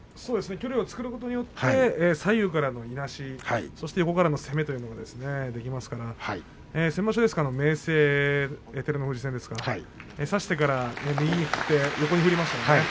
距離を作ることによって左右のいなし、横からの攻めというのができますから先場所ですか、明生照ノ富士戦ですね、差してから右に横に振りましたね。